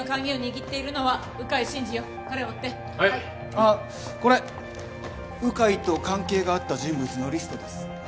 あっこれ鵜飼と関係があった人物のリストです。